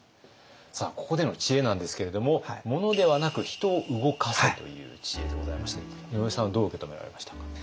さあここでの知恵なんですけれども「物ではなく人を動かせ！」という知恵でございましたけれども井上さんはどう受け止められましたか？